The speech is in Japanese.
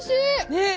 ねえ。